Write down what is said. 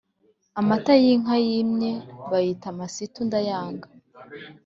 Amata y’Inka yimye bayita amasitu ndayanga